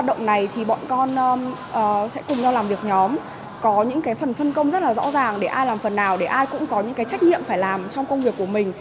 để ai cũng có những trách nhiệm phải làm trong công việc của mình